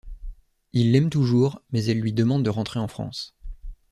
Il l'aime toujours mais elle lui demande de rentrer en France.